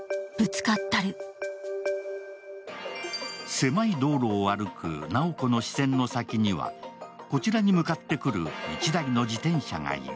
狭い道路を歩く直子の視線の先には、こちらに向かってくる１台の自転車がいる。